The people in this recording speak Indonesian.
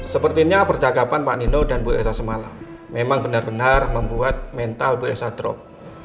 sepertinya percakapan pak nino dan bu elsa semalam memang benar benar membuat mental bu elsa drop